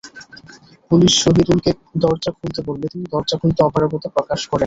Police শহিদুলকে দরজা খুলতে বললে তিনি দরজা খুলতে অপারগতা প্রকাশ করেন।